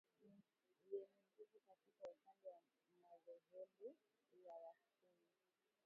yenye nguvu katika upande madhehebu ya wasunni